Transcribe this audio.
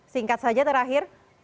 singkat saja terakhir